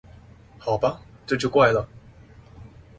好吧，這就怪了